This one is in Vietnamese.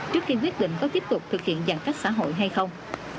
trước khi quyết định có tiếp tục thực hiện giãn cách xã hội hay không